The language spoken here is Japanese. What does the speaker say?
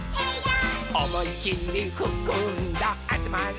「おもいきりふくんだあつまれ」